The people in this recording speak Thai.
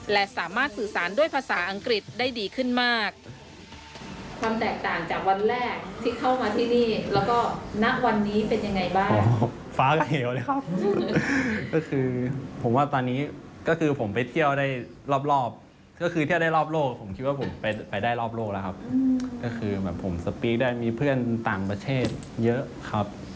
และสามารถสื่อสารด้วยภาษาอังกฤษได้ดีขึ้นมาก